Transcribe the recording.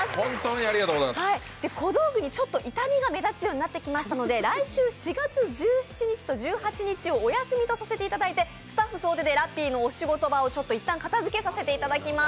小道具にちょっと傷みが目立つようになってきましたので来週４月１７日と１８日をお休みとさせていただきまして、スタッフ総出でラッピーの仕事場を一旦片づけさせていただきます。